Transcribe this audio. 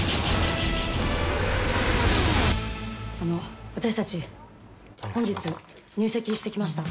あの私たち本日入籍してきました。